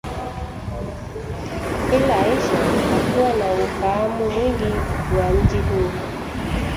Ila Aisha hakuwa na ufahamu mwingi wa mji huo